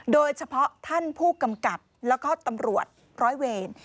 โดยเฉพาะท่านผู้กำกับแล้วก็ตำรวจร้อยเวร